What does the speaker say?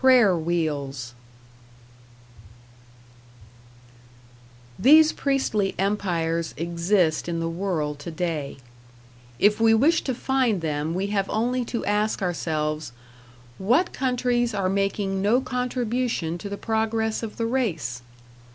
#Prayer wheels# These priestly empires exist in the world today. If we wish to find them we have only to ask ourselves: What countries are making no contribution to the progress of the race?